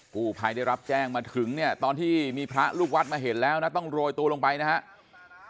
ผู้ภัยได้รับแจ้งมาถึงเนี่ยตอนที่มีพระลูกวัดมาเห็นแล้วนะต้องโรยตัวลงไปนะครับ